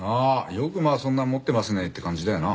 よくまあそんな持ってますねって感じだよな。